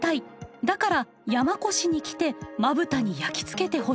だから山古志に来てまぶたに焼き付けてほしい。